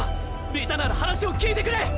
リタなら話を聞いてくれ！